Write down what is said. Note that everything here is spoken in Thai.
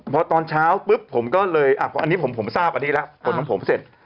พอตอนเช้าผมก็เลยอันนี้ผมทราบผมก็เซ็นต์